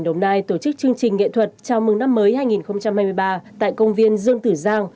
đồng nai tổ chức chương trình nghệ thuật chào mừng năm mới hai nghìn hai mươi ba tại công viên dương tử giang